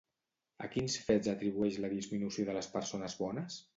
A quins fets atribueix la disminució de les persones bones?